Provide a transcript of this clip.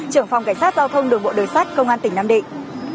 trưởng phòng cảnh sát giao thông đường bộ đường sát công an tỉnh nam định